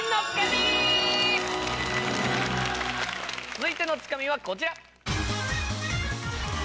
続いてのツカミはこちら。